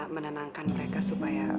menenangkan mereka supaya